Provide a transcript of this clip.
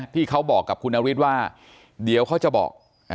ที่เขาบอกกับคุณนฤทธิ์ว่าเดี๋ยวเขาจะบอก